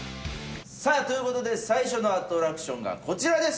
さあという事で最初のアトラクションがこちらです！